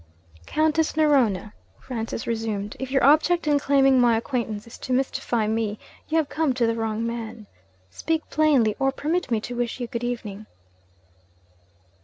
'Countess Narona,' Francis resumed, 'if your object in claiming my acquaintance is to mystify me, you have come to the wrong man. Speak plainly, or permit me to wish you good evening.'